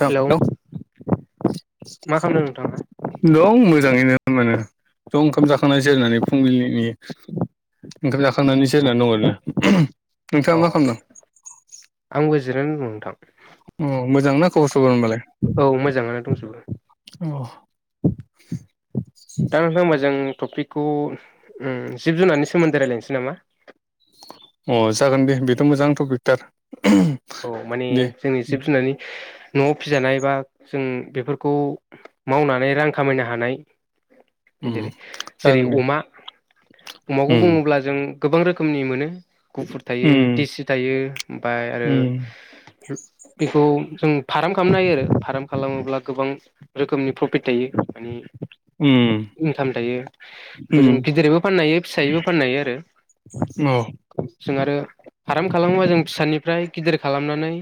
औ हेलौ औ मा खालामदो नोंथाङालाइ मोजाङैनो मोनो ज' ओंखाम जाखांनायसै होननानै फुंबिलिनि ओंखाम जाखांनानै जिरायनानै दं ओरैनो नोंथाङा अ मा खालामदों आंबो जिरायनानै दं नोंथां अ मोजां ना खबर सबर होनबालाय औ मोजाङानो दंजोबो अ दा नोंथां होमबा जों टपिकखौ जिब जुनारनि सोमोनदै रायलायनोसै नामा अ जागोन दे बेथ' मोजां टपिकथार औ माने दे जोंनि जिब जुनारनि न'आव फिजानाय बा जों बेफोरखौ मावनानै रां खामायनो हानाय उम जेरै जागोन दे अमा अमाखौ उम बुङोब्ला जों गोबां रोखोमनि मोनो गुफुर थायो उम देसि थायो ओमफ्राय आरो उम बेखौ जों फाराम खालामनो हायो आरो फार्म खालामोब्ला गोबां रोखोमनि प्रफिट थायो उम इंकाम थायो। बेखौ उम जों गिदिरैबो फाननो हायो फिसायैबो फाननो हायो आरो। अ जों आरो फाराम खालामोबा जों फिसानिफ्राय गिदिर खालामनानै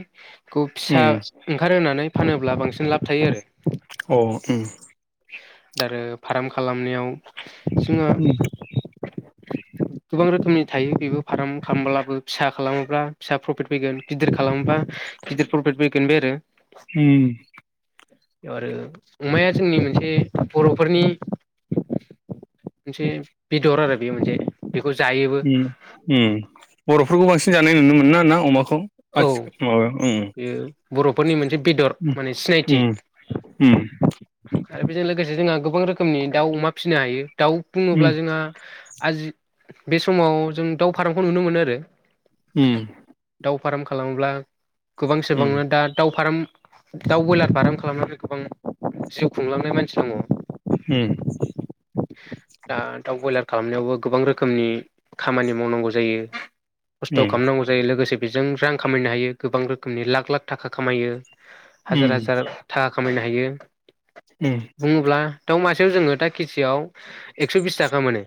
खौ फिसा उम ओंखारहोनानै फानोब्ला बांसिन लाब थायो आरो। अ उम दा आरो फार्म खालामनायाव जोङो उम गोबां रोखोमनि थायो बेबो फार्म खालामब्लाबो फिसा खालामोब्ला फिसा प्रफिट फैगोन गिदिर खालामोब्ला गिदिर फ्रफिद फैगोन बे आरो। उम बेयाव आरो अमाया जोंनि मोनसे बर'फोरनि मोनसे बेदर आरो बेयो मोनसे। बेखौ जायोबो उम उम बर'फोरखौ बांसिन जानाय नुनो मोनो ना अमाख खौ औ आथि माबायाव उम। बेयो बर'फोरनि मोनसे बेदर उम माने सिनायथि। उम उम आरो बेजों लोगोसे जोंहा गोबां रोखोमनि दाउ अमा फिसिनो हायो दाउ उम बुङोब्ला जोंहा आजि बे समाव जों दाउ फारामखौ नुनो मोनो आरो। उम दाउ फार्म खालामोब्ला गोबां उम सोबांनो दा दाउ फाराम दाउ बयलार फाराम खालामनानै गोबां जिउ खुंलांनाय मानसि दङ। उम दा दाउ बयलार खालामनायावबो गोबां रोखोमनि खामानि मावनांगौ जायो। खस्थ' उम खालामनांगौ जायो लोगोसे बेजों रां खामायनो हायो गोबां रोखोमनि लाख लाख थाखा खामायो। हाजार उम हाजार थाखा खामायनो हायो उम बुङोब्ला दाव मास सेयाव जोङो दा केजिसेयाव एकस बिसथाखा मोनो।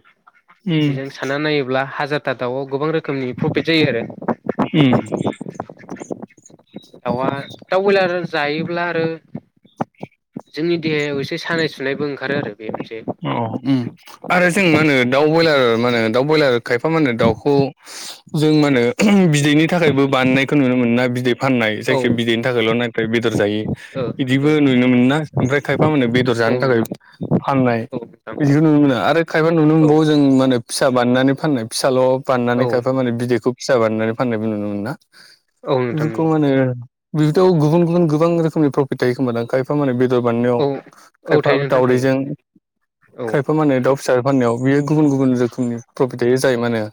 उम बेजों सानना नायोब्ला हाज जारथा दाउआव गोबां रोखोमनि प्रफिट जायो आरो। उम दाउआ दाउ बयलार जायोब्ला आरो जोंनि देहायाव एसे सानाय सुनायबो ओंखारो आरो। बे मोनसे अ उम आरो जों मा होनो दाउ बयलार मा होनो दाउ बयलार खायाफा मा होनो दाउखौ जों मा होनो बि दिनि थाखायबो बानायनायखौ नुनो मोनो ना बि फाननाय औ जायखो बिदैनि थाखायल' नाथाय बेदर जायि ओ बिदिबो नुनो मोनो ना ओमफ्राय खायफा मानो बेदर औ जानो थाखाय नोंथां फाननाय बिदिखौ नुनो मोनो आरो खायफा नुनो औ नोंथां औ मोनबावो जों मा होनो फिसा बानायनानै फाननाय फिसाल' बानायनानै खायफा माने बिदैखौ फिसा बानायनानै फाननायबो नुनो मोनो ना। औ औ नोंथां बेफोरखौ मा होनो बेथ' गुबुन गुबुन गोबां रोखोमनि प्रफिट थायो खोमबा दां खायफा मा होनो बे [unintelligible] बान्नायाव औ औ खायफा थायो नोंथां थायो दावदैजों औ खायफा मा होनो दाव फिसा फाननायाव बियो गुबुन गुबुन रोखोमनि प्रफिट थायो जाय मा होनो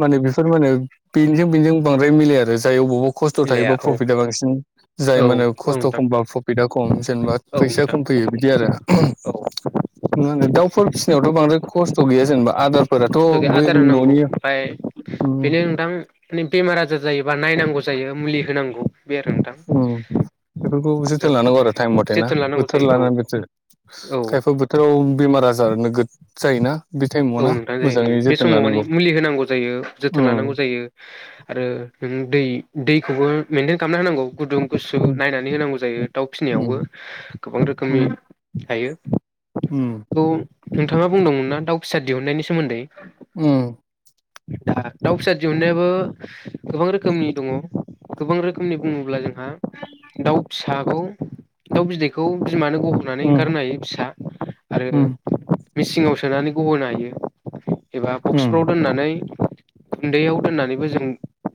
माने बेफोर मानो बेनिजों बेनिजों बांद्राय मिलाया आरो जाय अबावबा खस्थ थायो मिलाया बाव औ फ्रफिदा बांसिन जाय औ मा होनो औ खस्थ' नोंथां खमब्ला प्रफिदा खम जेनेबा औ फैसा नोंथां खम फै फैयो बिदि आरो औ मा होनो दाउफोर फिसिनायावथ' बांद्राय खस्थ' गैया जेनेबा आदार खस्थ गैया आदार होनांगौ ओमफाय उम बेनो नोंथां बेमार आजार जायोबा नायनांगौ जायो मुलि होनांगौ। बे आरो नोंथां उम बेफोरखौ जोथोन लानांगौ आरो थटाइम मथे ना जोथोन लानांगौ बोथोर जायो औ लानानै बोथोर। औ खायफा बोथोराव बेमार आजार नोगोद जायोना बे थायेमाव औ नोंथां जायो उम बे समाव माने मुलि होनांगौ जायो जोथोन उम लानांगौ जायो आरो नों दै दैखौबो मेेनटेन खालामना होनांगौ। गुदुं गुसु उम नायनानै होनांगौ जायो दाउ फिनायावबो उम गोबां उम रोखोमनि थायो। खौ नोंथाङा बुंदोंमोन ना दाउ फिसा दिहुननायनि सोमोन्दै। उम दा दाउ फिसा दिहुनन्नायाबो गोबां रोखोमनि दङ गोबां रोखोमनि बुङोब्ला जोंहा दावफिसाखौ दाव बिदैखौ बिमानो गह'नानै ओंखारहोनो हायो फिसा आरो मिसिङाव सोनानै गहोनो हायो एबा बक्सफ्राव दोननानै गुन्दैयाव दोननानैबो जों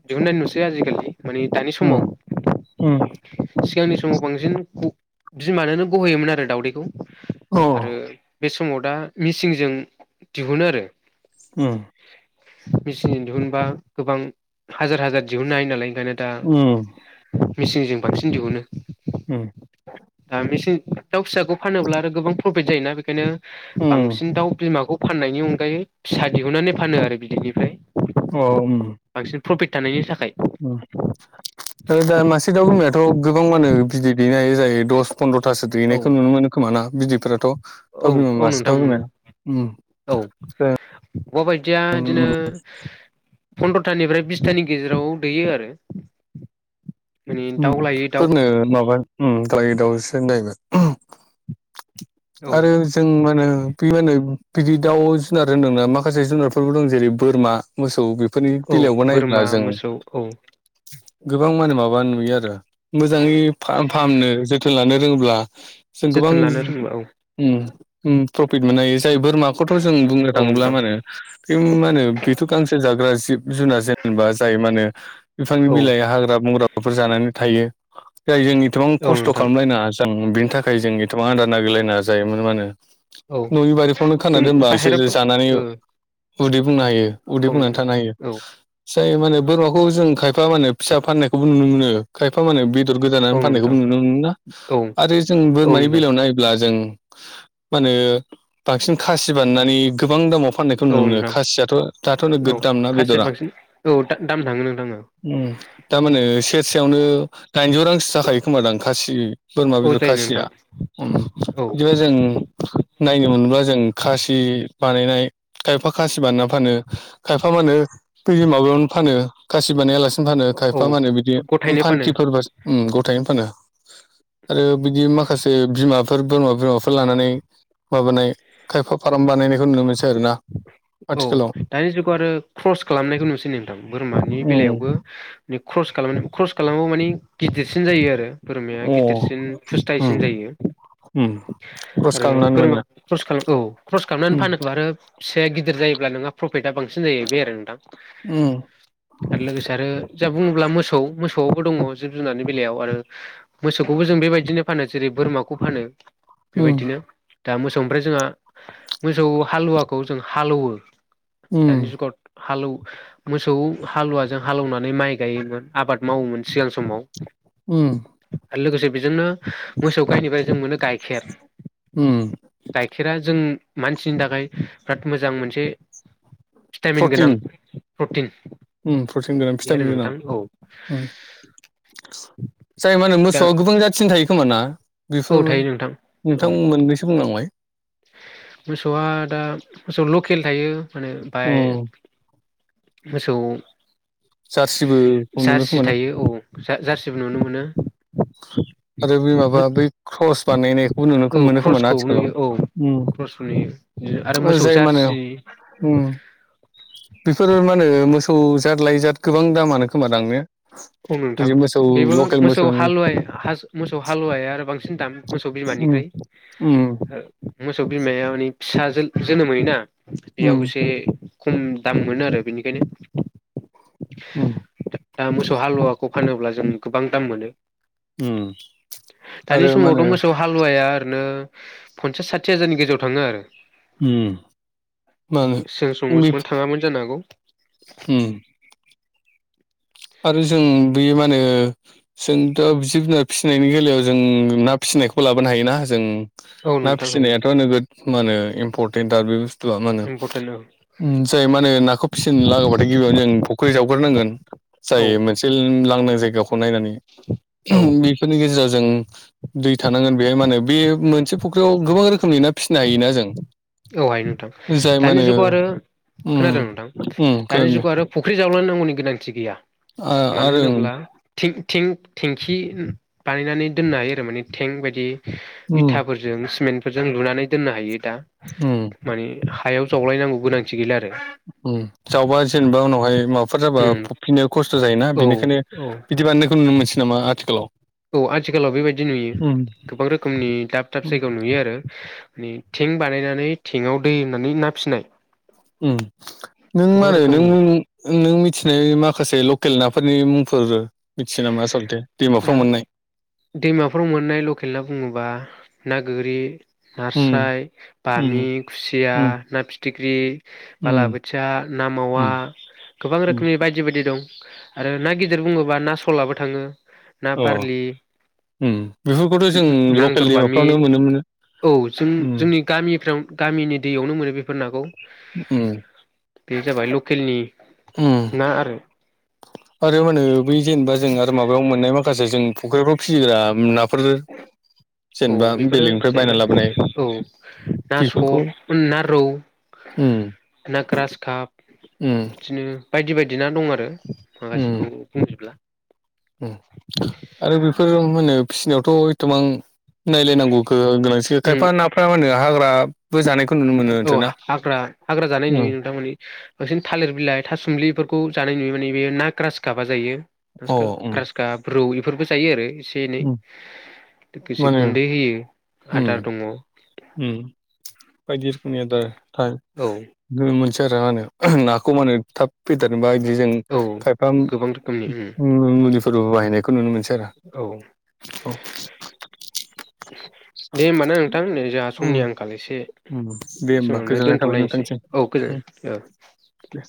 दिहुननाय नुसै आजिखालि माने दानि समाव सिगांनि समाव बांसिन ग बिमानोनो गहोयोमोन आरो दाउदैखौ आरो बे सम मिसिनजों दिहुनबा गोबां हाजार हाजार दिहुडननो हायो नालाय ओंखायनो दा मेचिनजों बांसिन दिहुनो उम दा मेसें दाउ फिसाखौ फानोब्ला आरो गोबां प्रफिट जायोना बेखायनो बांसिन दाउ बिमाखौ फाननायनि अनगायै फिसा दिहुननानै फानो आरो बिदिनिफ्राय औ थाखाय दा मासे दाउ बिमायाथ' गोबां मानि बिदै दैनो हायो जायो दस पन्द्र'थासो औ दैनायखौ नुनो मोनो खोमाना बिदैफ्राथ' औ दाउ बिमा औ मासे नोंथां दाउ मोनो बिमाया उम मुबा बायदिया उम बिदिनो उम फन्द्र थानिफ्राय बिसथानि गेजेराव दैयो आरो माने उम दाउ लायै दाउ फोरनो माबा दाउसो होनलायबाय औ आरो जों मा होनो बे मा होनो बिदि दाउ जुनार होन्दोंना माखासे जुनारफोरबो दं जेरै बोरमा मोसौ बि फोरनि औ बेलायावबो नायोब्ला बोरमा मोसौ औ जों गोबां माने माबा नुयो आरो मोजाङै फाहामनो जोथोन लानो रोङोब्ला जों गोबां जोथोन लानो रोंबा औ उम उम प्रफिट मोननो हायो। जाय बोरमाखौथ' जों बुंनो औ थाङोब्ला नोंथां मा होनो बे मा होनो बेथ' गांसो जाग्रा जिब जुनार जेन बा जाय मा होनो बिफांनि औ बिलाइ हाग्रा बंग्राफोर जानानै थायो। जाय जों एसेबां औ खस्थ' नोंथां खालामलायना जों बिनि थाखाय जों एसेबां आदार नागिरलायना जायोमोन मानो औ न'नि बारिफ्रावनो खाना जों दोनबा बिसोर बाहेराफ्राव जानानै ओ उदै बुंनो हायो उदै औ बुंनानै नोंथां थानो हायो औ जाय माने बोरमाखौ जों खायफा माने फिसा फाननाय खौ नुनो मोनो खाय एफा माने बेदर गोदानानानै औ फाननायखौ नोंथां नुनो मोना औ आरो जों बोरमानि नोंथां बेलायाव नायोब्ला जों मा होनो बांसिन खासि बानायनै गोबां दामाव फाननायखौ नुनो औ मोनो नोंथां खासियाथ' दाथ' नोगोद औ दामना खासिया बेदरा बांसिन औ दा दाम थाङो नोंथां औ उम थारमाने सेरसेयावनो दाइनजौ रांसो जाखायो खोमा दां खासि बोरमा औ बेदर जायो खासिया नोंथां उम औ बिदिबा जों नायनो मोनब्ला जों खासि बानायनाय खायफा खासि बानाया फानो खायफा मानो दै माबायावनो फानो खासि बानायालासिनो फानो खायफा औ मानो बिदि गथायैनो फानो फान्थिफोरब गथायनो फानो आरो बिदि माखासे बिमाफोर बोरमा बिमाफोर लानानै माबानाय खायफा फाराम बानायनायखौ नुनो मोनसै आरोना औ आथिखालाव दानि जुगाव आरो क्रस खालामनायखौ नुसै नोंथां बोरमानि उम बेलायावबो क्रस खालाम क्रस खालामाबो माने गिदिरसिन जायो आरो बोरमाया अ गिदिरसिन फुस्थायाइसिन उम जायो। उम क्रस आरो खालामनानै बोरमा बानायनाय ख्रस खालाम औ क्रस खालामनानै फानोबा आरो फिसाया गिदिर जायोब्ला नोङा प्रफिटआ बांसिन सिन जाहैबाय आरो नोंथां उम आरो लोगोसे आरो जा बुङोब्ला मोसौ मोसौ दङ जिब जुनार बेलायाव आरो मोसौखौबो जों बेबायदिनो फानो जेरै बोरमाखौ फानो उम बेबायदिनो दा मोसौनिफ्राय जोंहा मोसौ हालुवा खौ जों हालौवो उम दानि जुगाव हालौ मोसौ हालुवाजों हाल एवनानै माइ गायोमोन आबाद मावोमोन। सिगां समाव उम आरो लोगोसे बेजोंनो मोसौ गायनिफ्राय जों मोनो गाइखेर उम गाइखेरा जों मानसिनि थाखाय बिराद मोजां मोनसे भिटामिन गोनां प्रटिन प्रटिन प्रटिन गोनां बे आरो भिटामिन गोनां नोंथां औ उम जाय मा होनो दा मोसौआ गोबां जाथिनि थायो। खोमाना बेफोर औ थायो औ नोंथां मोननैसो बुंनांबाय मोसौआ दा मोसौ लकेल थायो माने ओमाय उम मोसौ जारसिबोखौ नुनो जार्सि खोमाना थायो औ जारसिबो नुनो मोनो। आरो बे माबा बै क्रस बानायनायखौबो नुनो मोनो खोमा ना आथिखालाव? उम ख्रसुनि आरो ओ मोसौ जाय जारसि बेफोर मा होनो मोसौ जाद लइजाद गोबां दामानो खोमा दां ने। औ नोंथां बिदि मोसौ बेबो लकेल मोसौ मोसौनि हालुव मोसौ हालुवाया आरो बांसिन दाम मोसौ बिमानि उम उम मोसौ बिमाया माने फिसा जोनोमयोना बेयाव उम एसे खम दाम मोनो आरो बेनिखायनो उम दा मोसौ हालुवा खौ फानोब्ला जों गोबां दाम मोनो उम दानि आरो मा होनो समावथ' मोसौ हालुवाया ओरैनो फनसास साथि हाजारनि गेजेराव थाङो आरो। उम मा होनो सों बे संसोमोन थाङामोन जानो हागौ। उम आरो जों बेयो माने जों दा जिब जुनार फिसिनायनि बेलायाव जों ना फि फिसिनायखौ लाबोनो हायो ना जों औ ना नोंथां हायो फिसिनायाथ' नोगोद मा होनो इम्परटेन्ट आरो बे बुंस जुवा मा होनो इम्परटेन्ट औ जाय मा होनो नाखौ फिसिनो लाङोबाथाय गिबियावनो जों फुख्रि जावग्रोनांगोन। औ जायो मोनसे लांदां जायगाखौ नायनानै औ बेफोरनि गेजेराव जों दै थानांगोन बेहाय मा होनो बे मोनसे फुख्रियाव गोबां रोखोमनि ना फिसिनो हायोना जों औ हायो नोंथां जाय मा दानि होनो जुगाव आरो उम खोनादों नोंथां उम दानि खोनादों जुगाव आरो फुख्रि जावलांनांगौनि गोनांथि गैया। आ आरो थेंक थेंखि बानायनानै दोननो हायो आरो माने थेंक बायदि उम इथाफोरजों सिमेन्टफोरजों लुनानै दोननो हायो दा उम मानि हायाव जावलायनांगौ गोनां जावबा जेनेबा उनावहाय माबाफोर जाबा उम फफिनाय खस्थ' जायोना। औ बेनिखायनो औ बिदि बानायनायखौ नुनो मोनसै नामा आथिखालाव? औ आथिखालाव बेबायदि नुयो उम गोबां रोखोमनि दाब दाब जायगायाव नुयो आरो। थेंक बानायनानै थेंकआव दै होनानै ना फिसिनाय ओ नों मा गोबां होनो रोखोमनि नों नों मिथिनाय माखासे दं गेलेनाफोरनि मुंफोर मिथियो नामा आसलथे दा दैमाफ्राव मोननाय दैमाफोराव मोननाय लकेल ना बुङोबा ना गोरि उम नास्राय उम बामि खुसिया उम ना फिथिख्रि उम बालाबोथिया ना मावा उम गोबां उम रोखोमनि बायदि बायदि दं। आरो ना गिदिर बुङोब्ला ना सलाबो थाङो ना अ बारलि उम बेफोरखौथ' जों लकेल नांदरबामि दैमाफ्रावनो मोनो मोनो औ जों उम जोंनि गामिफ्राव गामिनि दैयावनो मोनो बेफोर नाखौ उम बे जाबाय लकेलनि उम ना आरो आरो मा होनो बै जेनेबा जों आरो माबायाव मोननाय माखासे जों फ'ख्रिफ्राव फिसिग्रा [inaudible] औ जेनेबा बेफोरो बेलेगनिफ्राय बायना जाहैबाय लाबोनाय औ ना बेफोरखौ सल ना रौ उम ना ग्रास काप उम बिदिनो बायदि बायदि ना दं आरो। उम माखासेखौ बुजोबला उम आरो बेफोर मा होनो फिसिनायावथ' एथबां नायलायनांगौ गोनांथि उम खायफा नाफ्रा मा होनो हाग्रा बो जानायखौ नुनो मोनो औ आरोना हाग्रा हाग्रा जानाय उम नुयो नोंथांमोननि बांसिन थालिर बिलाइ थासुमलिफोरखौ जानाय नुयो माने बेयो ना क्रास गाबा जायो अ उम क्रास गाब ब्रौ बेफोरबो जायो आरो एसे एनै उम लोगोसे माने गुन्दै होयो उम आदार दङ' उम बायदि रोखोमनि आदार मानसि फोरा मा होनो नाखौ मानो थाब फैदेरनोबा बिदि जों औ खायफा गोबां रोखोमनि उम मुलिफोरबो बाहायनायखौ नुनो मोनसै औ दे होमबा ना नोंथां नै जोंहा समनि आंखाल एसे उम दे होमबा समावनो गोजोननाय थाबाय दोनथ'लायनोसै नोंथांसिम। औ गोजोन औ दे